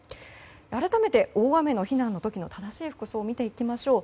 改めて大雨の避難の時の正しい服装を見ていきましょう。